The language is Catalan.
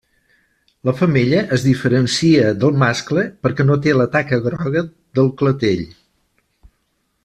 La femella es diferencia del mascle perquè no té la taca groga del clatell.